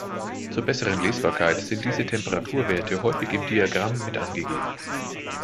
Zur besseren Lesbarkeit sind diese Temperatur-Werte häufig im Diagramm mit angegeben.